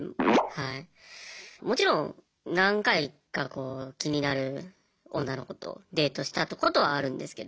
もちろん何回か気になる女の子とデートしたことはあるんですけど